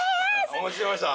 お待ちしてました。